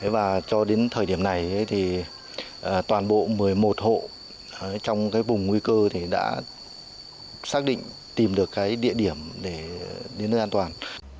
và cho đến thời điểm này thì toàn bộ một mươi một hộ trong vùng nguy cơ thì đã xác định tìm được cái địa điểm để đến nơi an toàn